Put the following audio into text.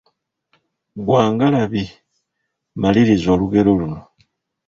Gwa ngalabi, maliriza olugero luno.